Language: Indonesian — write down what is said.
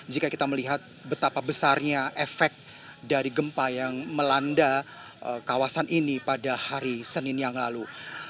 jika kita melihat betapa besarnya efek dari gempa yang melanda kawasan ini pada hari senin yang lalu